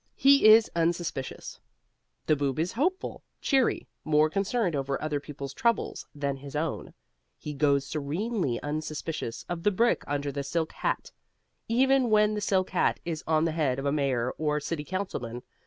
HE IS UNSUSPICIOUS The Boob is hopeful, cheery, more concerned over other people's troubles than his own. He goes serenely unsuspicious of the brick under the silk hat, even when the silk hat is on the head of a Mayor or City Councilman.